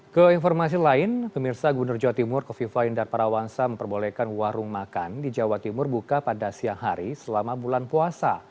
keinformasi lain pemirsa gubernur jawa timur kofi fahim dan para wansa memperbolehkan warung makan di jawa timur buka pada siang hari selama bulan puasa